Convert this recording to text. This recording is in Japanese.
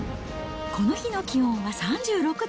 この日の気温は３６度。